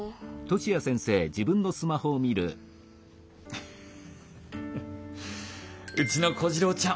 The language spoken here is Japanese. フフフうちの小次郎ちゃん